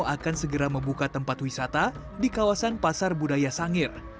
akan segera membuka tempat wisata di kawasan pasar budaya sangir